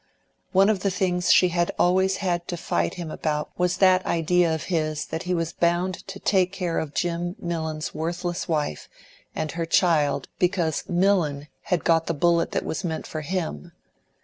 One of the things she had always had to fight him about was that idea of his that he was bound to take care of Jim Millon's worthless wife and her child because Millon had got the bullet that was meant for him.